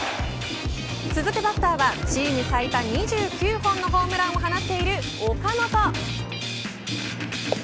続くバッターはチーム最多２９本のホームランを放っている岡本。